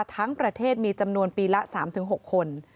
ทั้งประเทศมีจำนวนปีละ๓๖คน